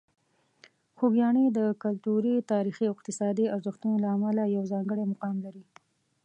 خوږیاڼي د کلتوري، تاریخي او اقتصادي ارزښتونو له امله یو ځانګړی مقام لري.